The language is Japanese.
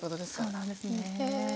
そうなんですね。